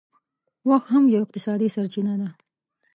وخت هم یو اقتصادي سرچینه ده